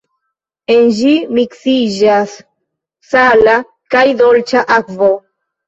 En ĝi miksiĝas sala kaj dolĉa akvo.